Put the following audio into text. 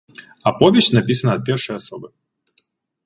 Аповесць напісана ад першай асобы.